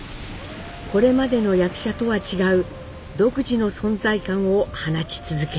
これまでの役者とは違う独自の存在感を放ち続けています。